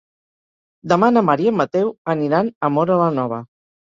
Demà na Mar i en Mateu aniran a Móra la Nova.